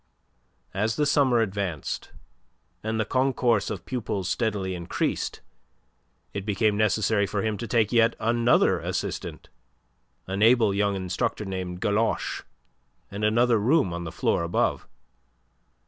As the summer advanced, and the concourse of pupils steadily increased, it became necessary for him to take yet another assistant an able young instructor named Galoche and another room on the floor above.